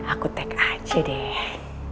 aku tag aja deh